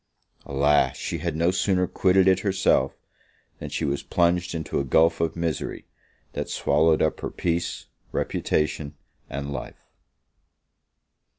Alas! she had no sooner quitted it herself, than she was plunged into a gulph of misery, that swallowed up her peace, reputation, and life.